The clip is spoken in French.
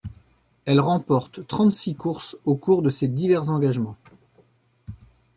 Elle remporte trente-six courses au cours de ses divers engagements.